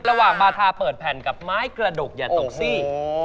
มาทาเปิดแผ่นกับไม้กระดุกอย่าตกซี่